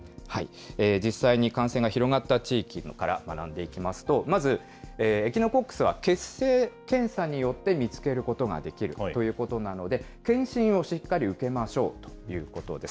実際に感染が広がった地域から学んでいきますと、まず、エキノコックスは血清検査によって見つけることができるということなので、検診をしっかり受けましょうということです。